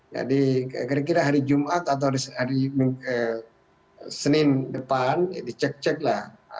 jadi kira kira hari jumat atau hari senin depan dicek ceklah